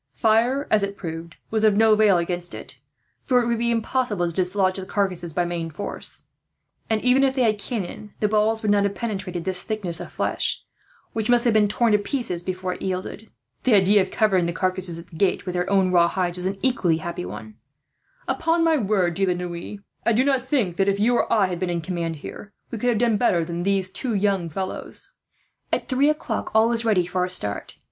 Fire, as it was proved, was of no avail against it, for it would be impossible to dislodge the carcasses by main force; and even if they had cannon, the balls would not have penetrated this thickness of flesh, which must have been torn to pieces before it yielded. The idea of covering the carcasses at the gates with their own raw hides was an equally happy one. "Upon my word, De la Noue, I do not think that, if you or I had been in command here, we could have done better than these two young fellows." At three o'clock all was ready for a start.